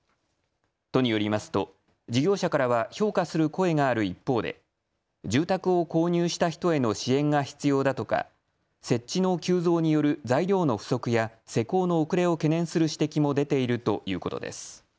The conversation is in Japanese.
都によりますと事業者からは評価する声がある一方で住宅を購入した人への支援が必要だとか設置の急増による材料の不足や施工の遅れを懸念する指摘も出ているということです。